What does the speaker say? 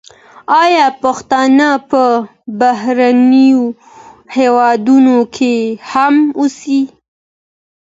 آیا پښتون په بهرنیو هېوادونو کي هم اوسي؟